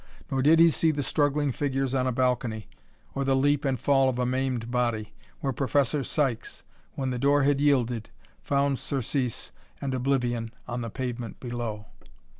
Nor did he see the struggling figures on a balcony, or the leap and fall of a maimed body, where Professor Sykes, when the door had yielded, found surcease and oblivion on the pavement below.